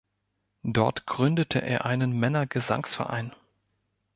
Dort gründete er einen Männergesangsverein.